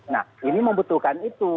nah ini membutuhkan itu